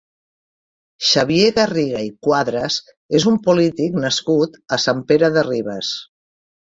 Xavier Garriga i Cuadras és un polític nascut a Sant Pere de Ribes.